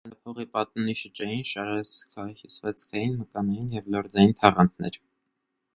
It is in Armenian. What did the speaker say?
Արգանդափողի պատն ունի շճային, շարակցահյուսվածքային, մկանային և լորձային թաղանթներ։